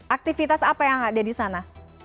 aktivitas apa yang ada di sana